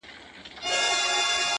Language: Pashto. o لکه ماسوم بې موره.